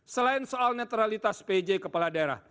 selain soal netralitas pj kepala daerah